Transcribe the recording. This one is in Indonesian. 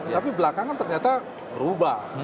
tapi belakangan ternyata berubah